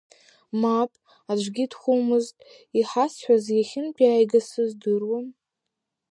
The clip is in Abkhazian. Мап, аӡәгьы дхәымызт, иҳазҳәаз иахьынтәааигаз сыздыруам.